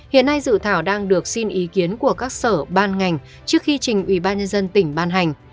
hiện nay dự thảo đang được xin ý kiến của các sở ban ngành trước khi trình ubnd tỉnh ban hành